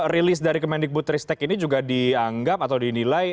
rilis dari kemen dikbud tristek ini juga dianggap atau dinilai